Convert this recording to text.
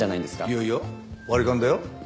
いやいや割り勘だよ。